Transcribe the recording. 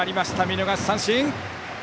見逃し三振！